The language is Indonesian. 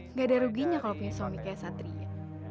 nggak ada ruginya kalau punya suami kayak satria